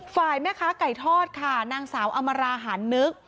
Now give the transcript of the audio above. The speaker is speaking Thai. ฝ่ายแม่ค้าไก่ทอดค่ะนางสาวอมราหารนึก